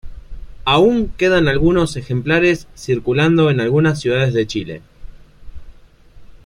Aún quedan algunos ejemplares circulando en algunas ciudades de Chile.